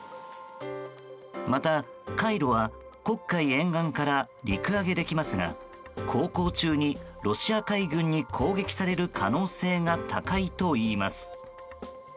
また海路は黒海沿岸から陸揚げできますが航行中にロシア海軍に攻撃される可能性が高いといいます。